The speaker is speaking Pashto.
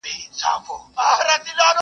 او که نه نو عاقبت به یې د خره وي!!